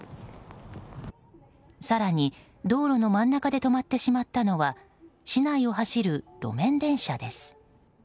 更に、道路の真ん中で止まってしまったのは市内を走る路面電車です。